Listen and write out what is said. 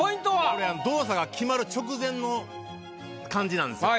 これ動作が決まる直前の感じなんですよ。